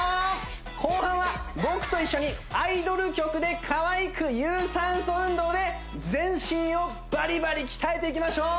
後半は僕と一緒にアイドル曲でかわいく有酸素運動で全身をバリバリ鍛えていきましょう！